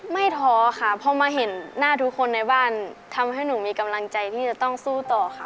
ท้อค่ะพอมาเห็นหน้าทุกคนในบ้านทำให้หนูมีกำลังใจที่จะต้องสู้ต่อค่ะ